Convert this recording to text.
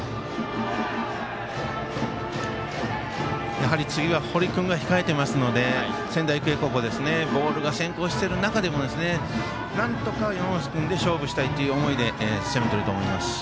やはり、次は堀君が控えていますので仙台育英高校、ボールが先行している中でもなんとか山増君で勝負したいという思いで攻めてると思いますし。